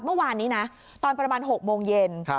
เมื่อวานนี้นะตอนประมาณ๖โมงเย็น